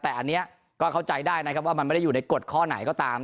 แต่อันนี้ก็เข้าใจได้นะครับว่ามันไม่ได้อยู่ในกฎข้อไหนก็ตาม